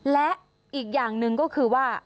และอีกอย่างหนึ่งก็คือว่า